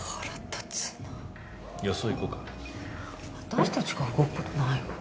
私たちが動くことないわよ。